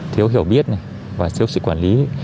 thiếu hiểu biết và thiếu sự quản lý